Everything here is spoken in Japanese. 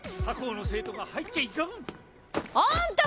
他校の生徒が入っちゃいかん！